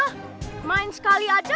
mereka main sekali aja